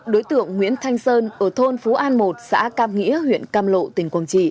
đối tượng nguyễn thanh sơn ở thôn phú an một xã cam nghĩa huyện cam lộ tỉnh quảng trị